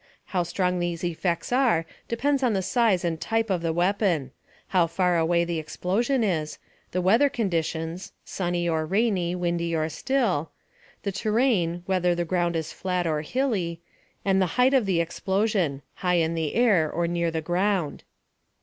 How strong these effects are depends on the size and type of the weapon; how far away the explosion is; the weather conditions (sunny or rainy, windy or still); the terrain (whether the ground is flat or hilly); and the height of the explosion (high in the air, or near the ground).